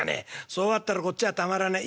「そうあったらこっちはたまらねえ。